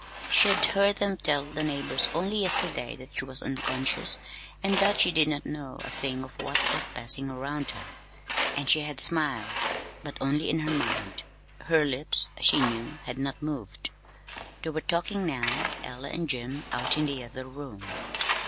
She had heard them tell the neighbors only yesterday that she was unconscious and that she did not know a thing of what was passing around her; and she had smiled but only in her mind. Her lips, she knew, had not moved. They were talking now Ella and Jim out in the other room.